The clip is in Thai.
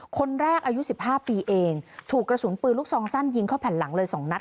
คนแรกอายุ๑๕ปีเองถูกกระสุนปืนลูกซองสั้นยิงเข้าแผ่นหลังเลย๒นัด